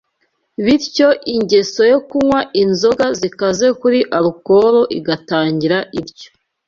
bityo ingeso yo kunywa inzoga zikaze kuri alukoro igatangira ityo.